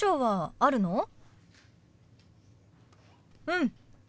うん。